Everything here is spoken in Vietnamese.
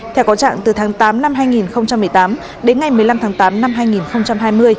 theo có trạng từ tháng tám năm hai nghìn một mươi tám đến ngày một mươi năm tháng tám năm hai nghìn hai mươi